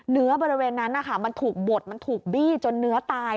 เนื้อบริเวณนั้นมันถูกบดมันถูกบี้จนเนื้อตาย